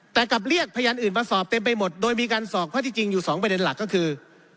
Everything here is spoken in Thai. แต่กับเรียกพยานอื่นมาสอบเต็มไปหมดโดยมีการสอบข้อที่จริงอยู่สองประเด็นหลักก็คือ